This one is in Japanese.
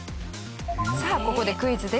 さあここでクイズです。